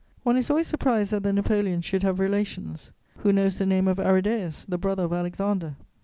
One is always surprised that the Napoleons should have relations: who knows the name of Arrhidæus, the brother of Alexander?